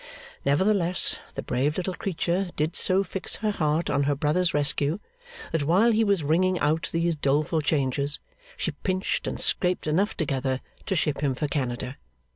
Nevertheless, the brave little creature did so fix her heart on her brother's rescue, that while he was ringing out these doleful changes, she pinched and scraped enough together to ship him for Canada.